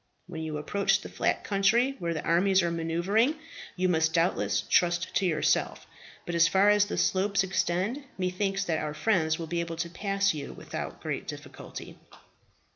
When you approach the flat country where the armies are maneuvering you must doubtless trust to yourself; but as far as the slopes extend, methinks that our friends will be able to pass you without great difficulty."